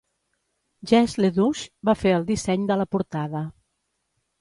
Jesse LeDoux va fer el disseny de la portada.